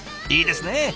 いいですね！